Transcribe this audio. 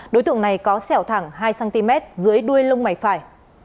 đối tượng này có sẹo thẳng hai cm dưới đuôi lông mày phải